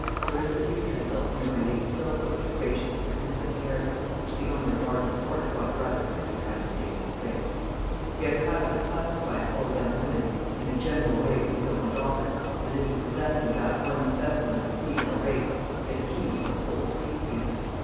Clarissa seated herself near my lady's sofa with a gracious submissive air, which the owner of Arden Court thought a rather pretty kind of thing, in its way. He had a habit of classifying all young women in a general way with his own daughter, as if in possessing that one specimen of the female race he had a key to the whole species.